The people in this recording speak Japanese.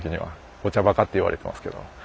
お茶バカって言われてますけど。